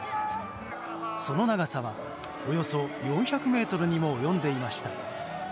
その長さはおよそ４００ｍにも及んでいました。